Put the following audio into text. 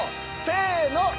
せの！